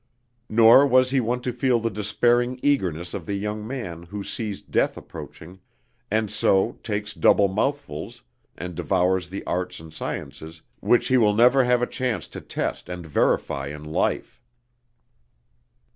Nor was he one to feel the despairing eagerness of the young man who sees death approaching and so takes double mouthfuls and devours the arts and sciences which he will never have a chance to test and verify in life.